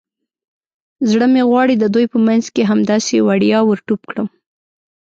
زړه مې غواړي د دوی په منځ کې همداسې وړیا ور ټوپ کړم.